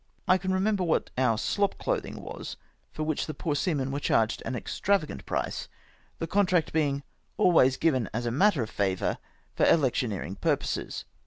I can remember what our slop clothing was, for which the poor seamen were charged an extravagant price ; the contract being ahvays given as a matter of favour for elec tioneering purposes.''